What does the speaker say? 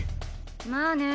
まあね。